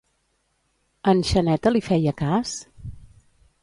En Xaneta li feia cas?